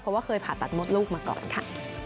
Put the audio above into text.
เพราะว่าเคยผ่าตัดมดลูกมาก่อนค่ะ